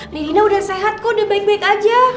lirina udah sehat kok udah baik baik aja